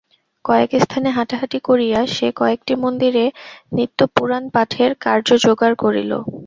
কয়েক স্থানে হাঁটাহাঁটি করিয়া সে কয়েকটি মন্দিরে নিত্য পুরাণ-পাঠের কার্য জোগাড় করিল।